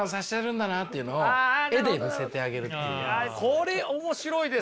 これ面白いですね。